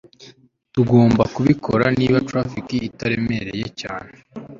tugomba kubikora niba traffic itaremereye cyane